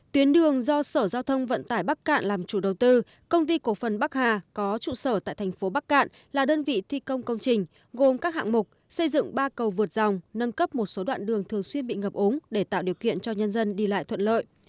tuyến đường do sở giao thông vận tải bắc cạn làm chủ đầu tư công ty cổ phần bắc hà có trụ sở tại thành phố bắc cạn là đơn vị thi công công trình gồm các hạng mục xây dựng ba cầu vượt dòng nâng cấp một số đoạn đường thường xuyên bị ngập ống để tạo điều kiện cho nhân dân đi lại thuận lợi